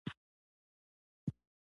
انا له خوږو مېوو سره مینه لري